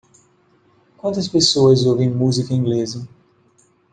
Quantas pessoas ouvem música inglesa?